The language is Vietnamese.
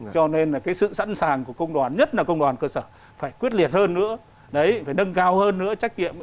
cho nên là cái sự sẵn sàng của công đoàn nhất là công đoàn cơ sở phải quyết liệt hơn nữa đấy phải nâng cao hơn nữa trách nhiệm